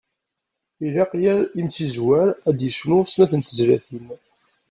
Ilaq, yal imsezwer ad d-yecnu snat n tezlatin.